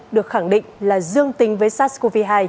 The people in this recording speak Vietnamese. được khẳng định là dương tính với sars cov hai